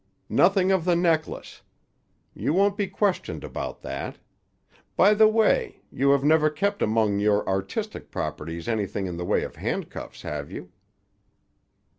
"Nothing of the necklace. You won't be questioned about that. By the way, you have never kept among your artistic properties anything in the way of handcuffs, have you?"